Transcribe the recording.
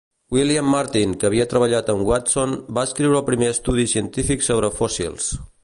William Martin, que havia treballat amb Watson, va escriure el primer estudi científic sobre fòssils.